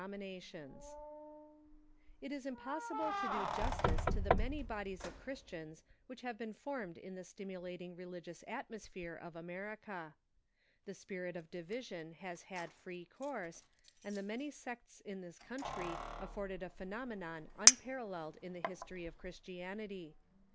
657 661.] It is impossible to do justice to the many bodies of Christians whicli have been formed in the stimulating religious atmosphere of America. The spirit of division has had free course, and the many sects in this country afford a phenomenon unpar alleled in the history of Christianity.